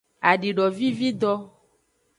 Adidovivido.